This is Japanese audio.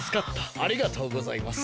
ありがとうございます。